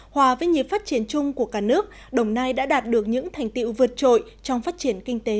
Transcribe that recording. hòa với nhiệt phát triển chung của cả nước đồng nai đã đạt được những thành tiệu vượt trội trong phát triển kinh tế